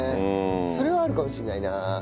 それはあるかもしれないな。